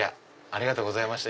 ありがとうございます。